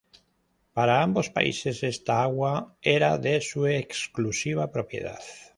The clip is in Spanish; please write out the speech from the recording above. Para ambos países esta agua eran de su exclusiva propiedad.